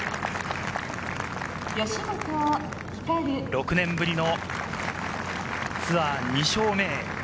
６年ぶりのツアー２勝目へ。